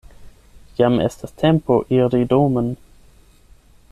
Jam estas tempo iri domen.